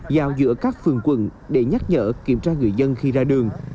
giao giữa các phường quận để nhắc nhở kiểm tra người dân khi ra đường